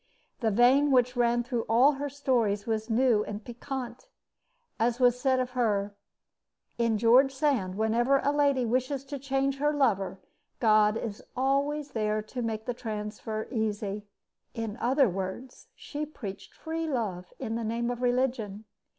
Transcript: The vein which ran through all her stories was new and piquant. As was said of her: In George Sand, whenever a lady wishes to change her lover, God is always there to make the transfer easy. In other words, she preached free love in the name of religion.